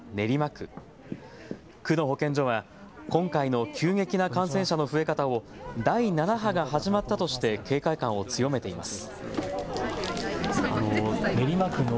区の保健所は今回の急激な感染者の増え方を第７波が始まったとして警戒感を強めています。